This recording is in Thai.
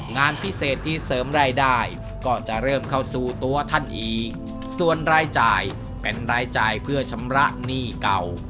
งานพิเศษที่เสริมรายได้ก็จะเริ่มเข้าสู่ตัวท่านอีกส่วนรายจ่ายเป็นรายจ่ายเพื่อชำระหนี้เก่า